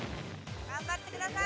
頑張ってください！